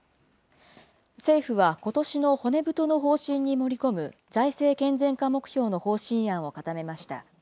政府はことしの骨太の方針に盛り込む、財政健全化目標の方針案を固めました。